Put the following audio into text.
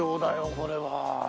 これは。